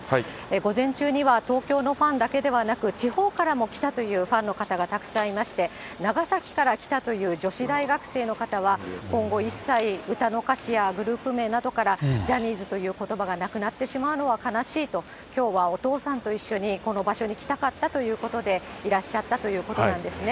午前中には東京のファンだけではなく、地方からも来たというファンの方がたくさんいまして、長崎から来たという女子大学生の方は、今後一切、歌の歌詞やグループ名などから、ジャニーズということばがなくなってしまうのは悲しいと、きょうはお父さんと一緒にこの場所に来たかったということで、いらっしゃったということなんですね。